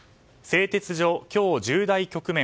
製鉄所、今日、重大局面。